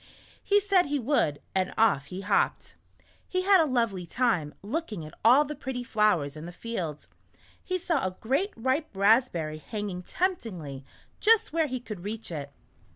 He said he would, and off he hopped. He had a lovely time, looking at all the pretty flowers in the field. He saw a great, ripe rasp berry hanging temptingly just where he could reach it.